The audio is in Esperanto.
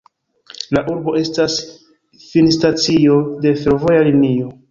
La urbo estas finstacio de fervoja linio.